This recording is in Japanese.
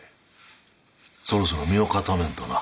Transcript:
そろそろ身を固めんとな。